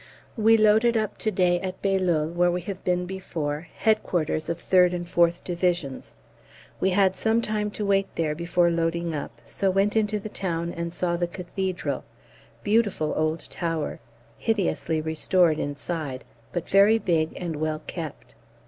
We loaded up to day at Bailleul, where we have been before headquarters of 3rd and 4th Divisions. We had some time to wait there before loading up, so went into the town and saw the Cathedral beautiful old tower, hideously restored inside, but very big and well kept.